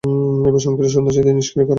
এবং সক্রিয় সন্ত্রাসীদের নিস্ক্রিয় করা।